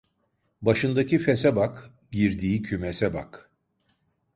Başındaki fese bak, girdiği kümese bak.